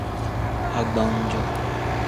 Agbannjo.